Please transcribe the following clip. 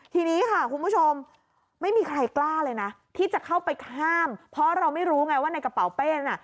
ทีนี้ค่ะคุณผู้ชมไม่มีใครกล้าเลยนะที่จะเข้าไปห้ามเพราะเราไม่รู้ไงว่าในกระเป๋าเป้น่ะ